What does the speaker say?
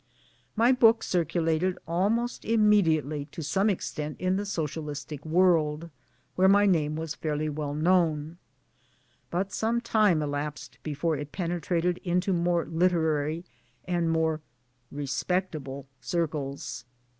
My book circulated almost immediately to some extent in the Socialistic world, where my name was fairly wel! known ; but some time elapsed before it penetrated into more literary and more ' respect able ' circles.